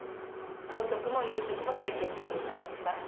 朝食も夕食も提供することにしました。